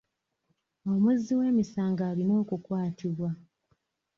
Omuzzi w'emisango alina okukwatibwa.